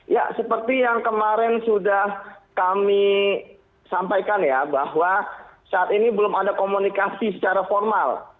ya seperti yang kemarin sudah kami sampaikan ya bahwa saat ini belum ada komunikasi secara formal